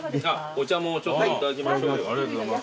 お茶もちょっといただきましょうよ。